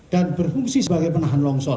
berfungsi sebagai penahan longsor